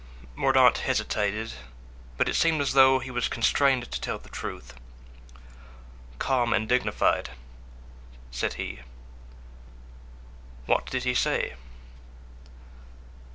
Mordaunt hesitated; but it seemed as though he was constrained to tell the truth. "Calm and dignified," said he. "What did he say?"